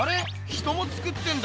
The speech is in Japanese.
人もつくってんだ。